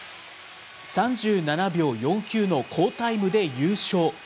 ３７秒４９の好タイムで優勝。